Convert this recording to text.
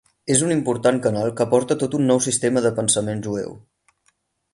És un important canal que aporta tot un nou sistema de pensament jueu.